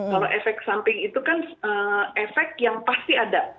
kalau efek samping itu kan efek yang pasti ada